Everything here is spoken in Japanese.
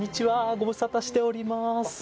ご無沙汰しております。